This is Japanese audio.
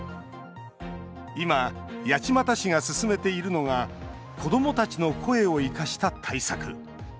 今、八街市が進めているのが子どもたちの声を生かした対策。